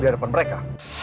di hadapan mereka